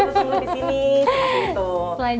silahkan duduk dulu terus mulai di sini